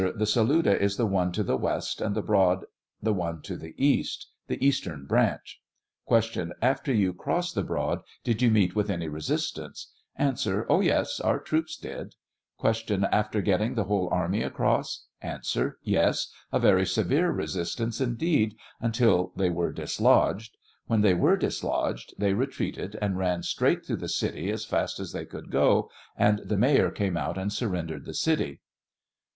The Saluda is the one to the west and the Broad the one to the east — the eastern branch. Q. After you crossed the Broad did you meet with any resistance? A. Oh, yes, our troops did. Q. After getting the whole army across ? A. Yes ; a very severe resistance, indeed, until they were dislodged; when they were dislodged they re treated and ran straight through the city as fast as they could go, and the mayor came out and surrendered the city.